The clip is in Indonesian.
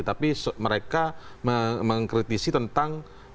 tapi mereka mengkritisi tentang beberapa hal tadi